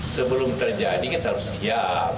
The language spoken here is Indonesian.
sebelum terjadi kita harus siap